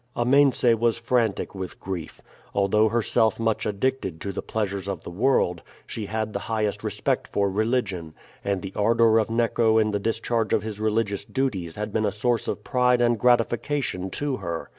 Amense was frantic with grief. Although herself much addicted to the pleasures of the world, she had the highest respect for religion, and the ardor of Neco in the discharge of his religious duties had been a source of pride and gratification to her.